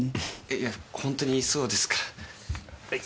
いやホントにそうですから。